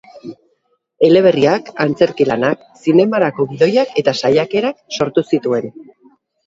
Eleberriak, antzerki lanak, zinemarako gidoiak eta saiakerak sortu zituen.